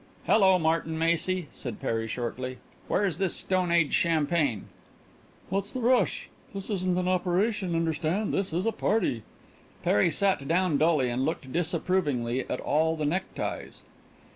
"Hello, Martin Macy," said Perry shortly, "where's this stone age champagne?" "What's the rush? This isn't an operation, understand. This is a party." Perry sat down dully and looked disapprovingly at all the neckties.